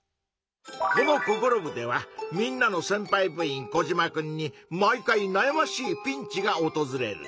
この「ココロ部！」ではみんなのせんぱい部員コジマくんに毎回なやましいピンチがおとずれる。